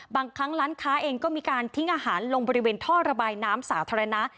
บางครั้งร้านค้าเองก็มีการทิ้งอาหารลงบริเวณท่อระบายน้ำสาธารณะ